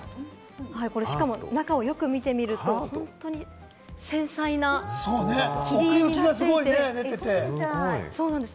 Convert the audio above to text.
しかも中をよく見てみると、繊細な切り絵になっています。